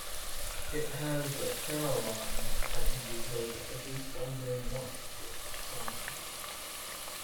It has a carillon that can be heard every Sunday morning during the summer.